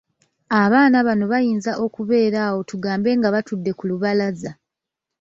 Abaana bano bayinza okubeera awo tugambe nga batudde ku lubalaza.